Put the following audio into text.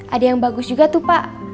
ada yang bagus juga tuh pak